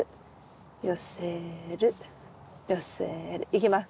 いきます。